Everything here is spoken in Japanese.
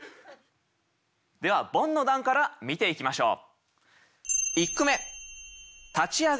ではボンの段から見ていきましょう。